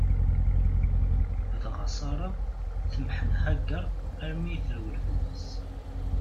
Dɣa Ṣara tmeḥḥen Hagaṛ armi i terwel fell-as.